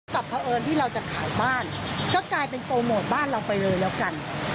เผอิญที่เราจะขายบ้านก็กลายเป็นโปรโมทบ้านเราไปเลยแล้วกัน